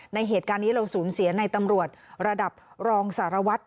ในเหตุการณ์นี้เราสูญเสียในตำรวจระดับรองสารวัตร